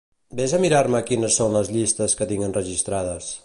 Ves a mirar-me quines són les llistes que tinc enregistrades.